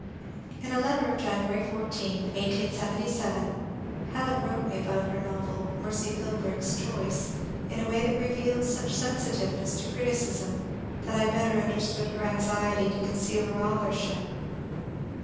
" In a letter of January 14, 1877, Helen wrote me about her [ novel, " Mercy Philbrick's Choice," in a ¥ray that revealed such sensitiveness to criticism that I better understood her anxiety to conceal her authorship.